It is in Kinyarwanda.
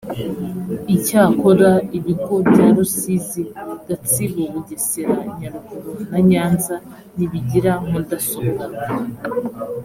icyakora ibigo bya rusizi gatsibo bugesera nyaruguru na nyanza ntibigira mudasobwa